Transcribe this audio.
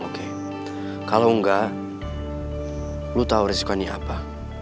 lo tahu resiko ini apa kalau enggak lo tahu resiko ini apa